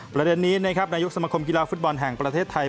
ประเด็นนี้นะครับนายกสมคมกีฬาฟุตบอลแห่งประเทศไทย